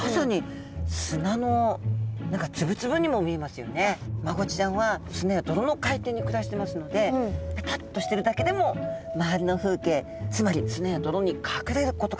まさにマゴチちゃんは砂や泥の海底に暮らしてますのでペタッとしてるだけでも周りの風景つまり砂や泥に隠れることができるんですね。